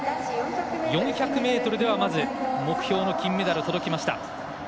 ４００ｍではまず目標の金メダルに届きました。